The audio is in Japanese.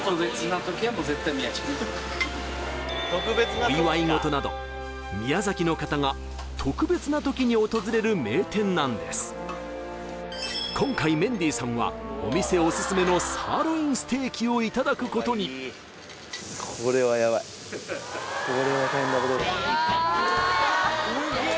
お祝い事など宮崎の方が今回メンディーさんはお店オススメのサーロインステーキをいただくことにこれはヤバイすげー